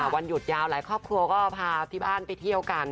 วันหยุดยาวหลายครอบครัวก็พาที่บ้านไปเที่ยวกัน